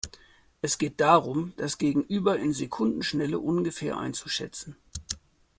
Es geht darum, das Gegenüber in Sekundenschnelle ungefähr einzuschätzen.